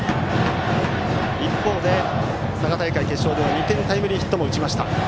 一方で佐賀大会決勝では２点タイムリーヒットも打ちました。